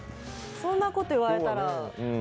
そんなことを言われたらね。